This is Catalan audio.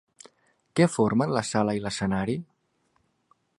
Què formen la sala i l'escenari?